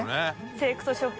セレクトショップ。